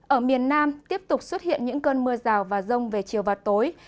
ở miền nam tiếp tục xuất hiện những cơn mưa rào và rông về chiều và tối